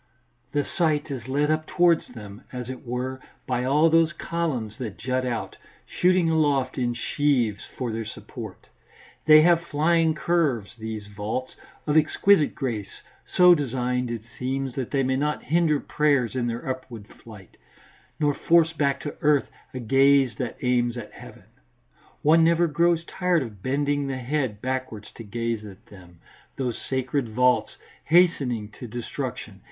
The sight is led up towards them, as it were, by all those columns that jut out, shooting aloft in sheaves, for their support. They have flying curves, these vaults, of exquisite grace, so designed, it seems, that they may not hinder prayers in their upward flight, nor force back to earth a gaze that aims at heaven. One never grows tired of bending the head backwards to gaze at them, those sacred vaults hastening to destruction.